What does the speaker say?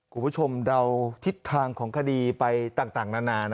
คุณผู้ชมเดาทิศทางของคดีไปต่างนานนะ